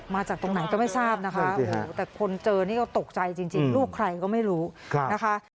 มาจากตรงไหนก็ไม่ทราบนะคะแต่คนเจอนี่ก็ตกใจจริงลูกใครก็ไม่รู้นะคะ